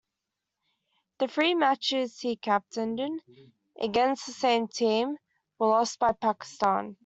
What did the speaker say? The three matches he captained in, against the same team, were lost by Pakistan.